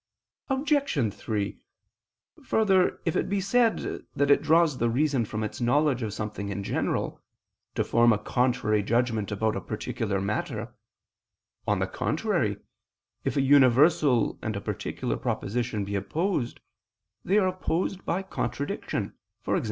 Obj. 3: Further, if it be said that it draws the reason from its knowledge of something in general, to form a contrary judgment about a particular matter on the contrary, if a universal and a particular proposition be opposed, they are opposed by contradiction, e.g.